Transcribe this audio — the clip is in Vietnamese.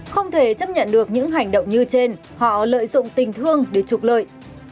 không thể chấp nhận được những hành động như trên họ lợi dụng tình thương để trục lợi